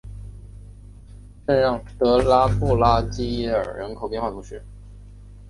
圣让德拉布拉基耶尔人口变化图示